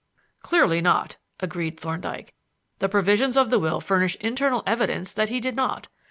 "Clearly not," agreed Thorndyke; "the provisions of the will furnish internal evidence that he did not.